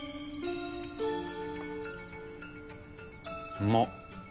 うまっ。